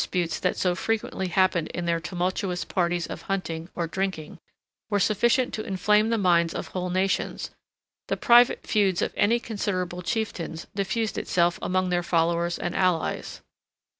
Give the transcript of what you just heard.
The casual disputes that so frequently happened in their tumultuous parties of hunting or drinking were sufficient to inflame the minds of whole nations; the private feuds of any considerable chieftains diffused itself among their followers and allies.